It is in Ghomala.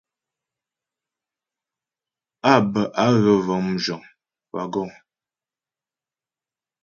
Á bə á gə vəŋ mzhəŋ (wagons).